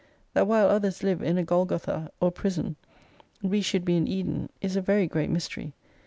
That while others live in a Golgotha or Prison, we should be in Eden, is a very great Mystery.